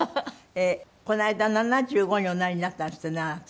この間７５におなりになったんですってねあなた。